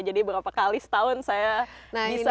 jadi berapa kali setahun saya bisa